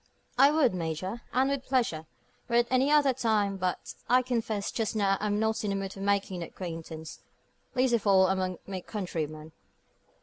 "I would, Major, and with pleasure, were it any other time. But, I confess, just now I'm not in the mood for making new acquaintance least of all among my countrymen.